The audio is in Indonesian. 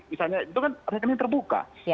misalnya itu kan rekening terbuka